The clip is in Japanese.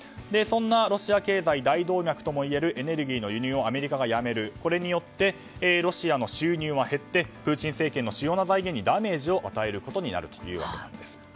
そんなロシア経済の大動脈ともいえるエネルギーの輸入をアメリカがやめるこれによってロシアの収入が減ってプーチン政権の主要な財源にダメージを与えることになります。